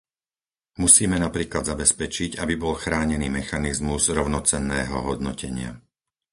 Musíme napríklad zabezpečiť, aby bol chránený mechanizmus rovnocenného hodnotenia.